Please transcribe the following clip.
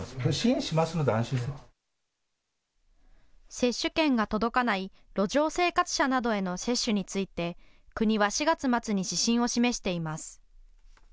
接種券が届かない路上生活者などへの接種について国は４月末に指針を示しています。